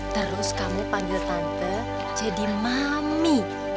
terus kamu panggil tante jadi mami